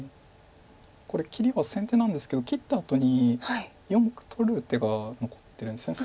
これ切りは先手なんですけど切ったあとに４目取る手が残ってるんですよね